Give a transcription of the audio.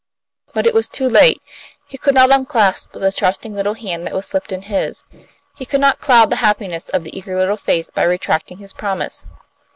But it was too late. He could not unclasp the trusting little hand that was slipped in his. He could not cloud the happiness of the eager little face by retracting his promise.